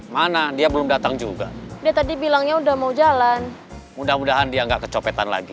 mana dia belum datang juga dia tadi bilangnya udah mau jalan mudah mudahan dia nggak kecopetan lagi